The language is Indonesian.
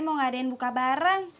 mau ngadain buka bareng